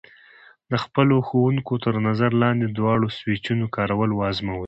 د خپلو ښوونکي تر نظر لاندې د دواړو سویچونو کارول وازموئ.